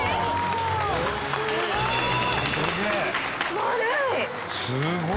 丸い！